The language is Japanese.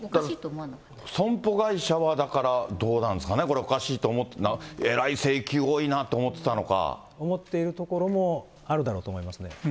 損保会社は、だからどうなんすかね、これ、おかしいと思ってた、えらい請求多いなと思ってた思っているところもあるだろうと思いますね。